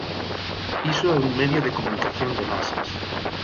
Iso é un medio de comunicación de masas.